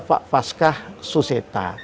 pak vaskah suseta